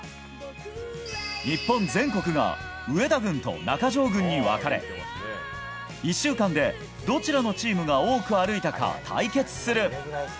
日本全国が上田軍と中条軍に分かれ１週間でどちらのチームが多く歩いたか対決する。